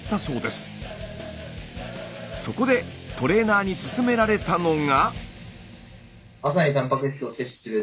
そこでトレーナーに勧められたのが。